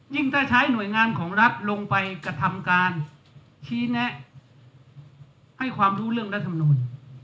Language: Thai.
ถ้าใช้หน่วยงานของรัฐลงไปกระทำการชี้แนะให้ความรู้เรื่องรัฐมนูล